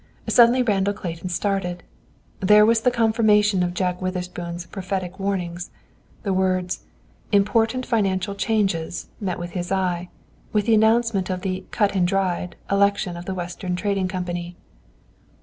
Suddenly Randall Clayton started. There was the confirmation of Jack Witherspoon's prophetic warnings. The words "Important Financial Changes" met his eye, with the announcement of the "cut and dried" election of the Western Trading Company.